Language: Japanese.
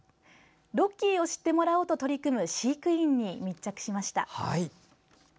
ロッキーを知ってもらおうと取り組む飼育員に密着しました。